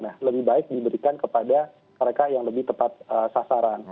nah lebih baik diberikan kepada mereka yang lebih tepat sasaran